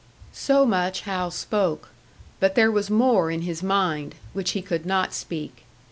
So much Hal spoke; but there was more in his mind, which he could not speak.